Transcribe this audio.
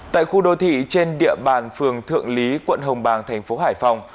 tại khu đô thị trên địa bàn phường thượng lý quận hồng bàng thành phố hải phòng